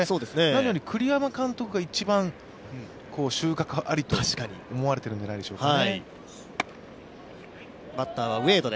何より栗山監督が一番、収穫ありと思われてるんじゃないでしょうか。